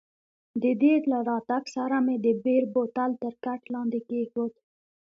د دې له راتګ سره مې د بیر بوتل تر کټ لاندې کښېښود.